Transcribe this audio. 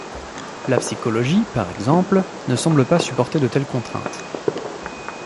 La psychologie, par exemple, ne semble pas supporter de telles contraintes.